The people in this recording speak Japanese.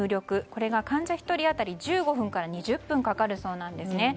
これが患者１人当たり１５分から２０分かかるそうなんですね。